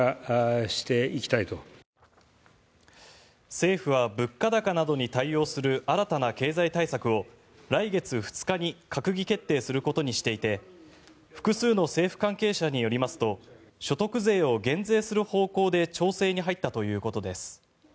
政府は物価高などに対応する新たな経済対策を来月２日に閣議決定することにしていて複数の政府関係者によりますと所得税を減税する方向で調整に入ったということです。